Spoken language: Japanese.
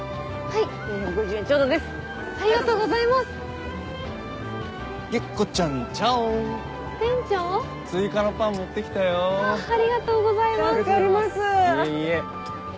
いえいえ。